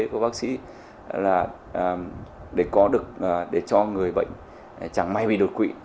và bác sĩ là để cho người bệnh chẳng may bị đột quỵ